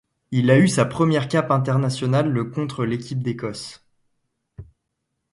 Il a eu sa première cape internationale le contre l'équipe d'Écosse.